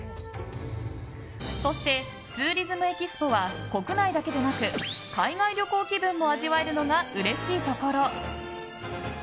そして、ツーリズムＥＸＰＯは国内だけでなく海外旅行気分も味わえるのがうれしいところ。